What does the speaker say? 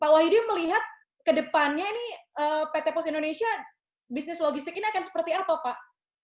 pak wahidi melihat ke depannya ini pt pos indonesia bisnis logistik ini akan seperti apa pak